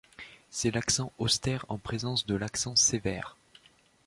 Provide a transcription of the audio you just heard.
C’est l’accent austère en présence de l’accent sévère.